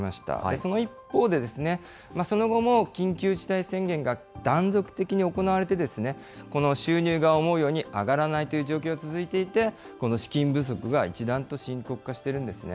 その一方で、その後も緊急事態宣言が断続的に行われて、収入が思うように上がらないという状況が続いていて、資金不足が一段と深刻化しているんですね。